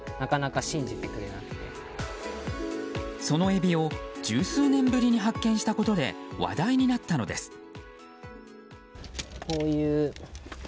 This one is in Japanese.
そのエビを十数年ぶりに発見したことで話題になったのです。